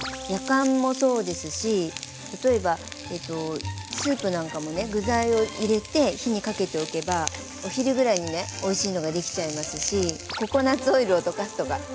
やかんもそうですし例えばスープなんかもね具材を入れて火にかけておけばお昼ぐらいにねおいしいのができちゃいますしココナツオイルを溶かすとか。